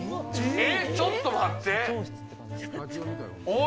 ちょっと待って。